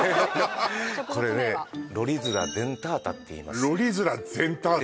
これねロリズラ・デンタータっていいますロリズラ・ゼンタータ？